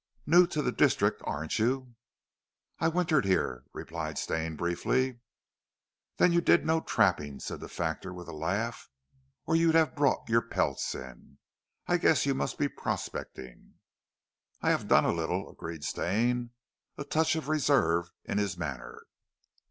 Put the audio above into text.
"New to the district, aren't you?" "I wintered here," replied Stane briefly. "Then you did no trapping," said the factor with a laugh, "or you'd have brought your pelts in. I guess you must be prospecting?" "I have done a little," agreed Stane, a touch of reserve in his manner.